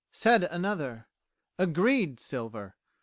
Said Another. Agreed Silver.